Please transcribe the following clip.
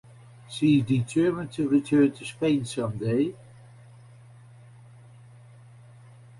She is determined to return to Spain some day.